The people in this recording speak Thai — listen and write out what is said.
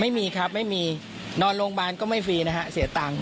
ไม่มีครับไม่มีนอนโรงพยาบาลก็ไม่ฟรีนะฮะเสียตังค์